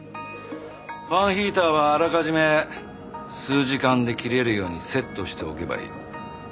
ファンヒーターはあらかじめ数時間で切れるようにセットしておけばいい。